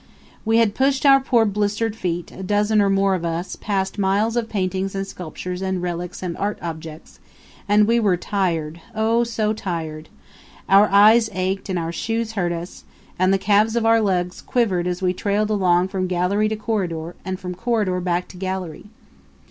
We had pushed our poor blistered feet a dozen or more of us past miles of paintings and sculptures and relics and art objects, and we were tired oh, so tired! Our eyes ached and our shoes hurt us; and the calves of our legs quivered as we trailed along from gallery to corridor, and from corridor back to gallery.